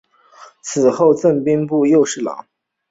死后赠兵部右侍郎。